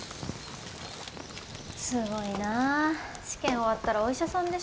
すごいな試験終わったらお医者さんでしょ？